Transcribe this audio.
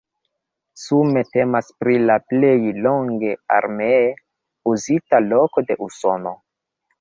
Sume temas pri la plej longe armee uzita loko de Usono.